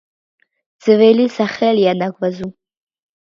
ძველი სახელია ნაგვაზუ.